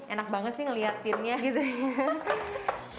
enak banget sih ngeliatinnya gitu